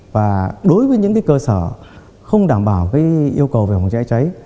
và đối với những cơ sở không đảm bảo yêu cầu về phòng cháy cháy